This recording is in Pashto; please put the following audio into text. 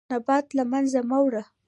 نبات مه له منځه وړه.